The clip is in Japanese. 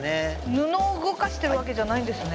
布を動かしてるわけじゃないんですね。